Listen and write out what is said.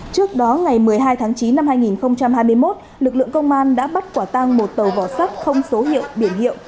trước đó ngày một mươi hai tháng chín năm hai nghìn hai mươi một lực lượng công an đã bắt quả tang một tàu vỏ sắt không số hiệu biển hiệu